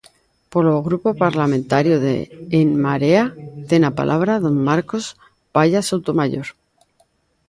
Polo Grupo Parlamentario de En Marea, ten a palabra don Marcos Palla Soutomaior.